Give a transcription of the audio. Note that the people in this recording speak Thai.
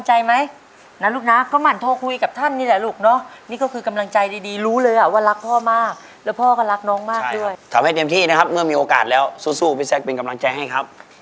โหหูหลายเดือนมากเลยนะเนี่ย